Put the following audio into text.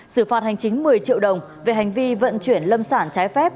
xử phạt hành chính một mươi triệu đồng về hành vi vận chuyển lâm sản trái phép